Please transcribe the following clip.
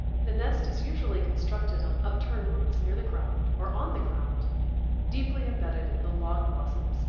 ] The nest is usually constructed on upturned roots near the ground, or on the ground deeply imbedded in the long mosses.